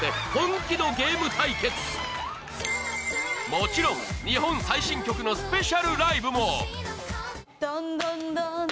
もちろん日本最新曲のスペシャルライブも